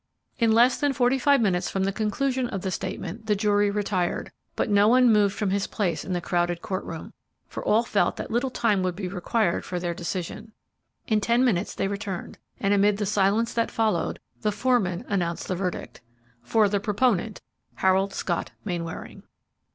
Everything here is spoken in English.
In less than forty five minutes from the conclusion of the statement the jury retired, but no one moved from his place in the crowded court room, for all felt that little time would be required for their decision. In ten minutes they returned, and, amid the silence that followed, the foreman announced the verdict, "for the proponent, Harold Scott Mainwaring."